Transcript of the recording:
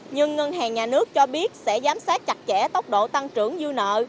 nhưng ngân hàng nhà nước cho biết sẽ giám sát chặt chẽ tốc độ tăng trưởng dư nợ